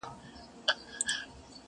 په دې تاریکو افسانو کي ریشتیا ولټوو،